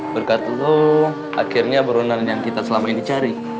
berkat kamu akhirnya perundang yang kita selama ini cari